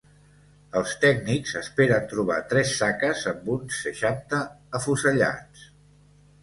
Els tècnics esperen trobar tres saques amb uns seixanta afusellats.